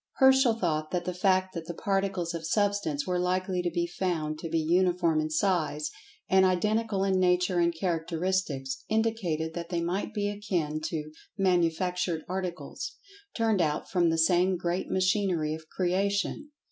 Herschel thought that the fact that the Particles of Substance were likely to be found to be uniform in size, and identical in nature and characteristics, indicated that they might be akin to "manufactured articles," turned out from the same great machinery of Creation.